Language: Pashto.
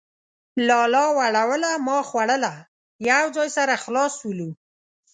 لالا وړوله ما خوړله ،. يو ځاى سره خلاص سولو.